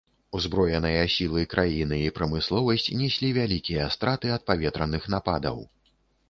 Узброеныя сілы краіны і прамысловасць неслі вялікія страты ад паветраных нападаў.